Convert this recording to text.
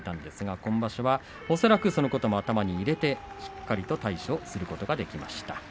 今場所は恐らくそのことも頭に入れてしっかりと対処することができました。